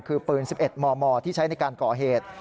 คือปืน๑๑มมที่ใช้ในการก่อเหตุ